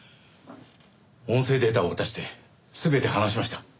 音声データを渡して全て話しました。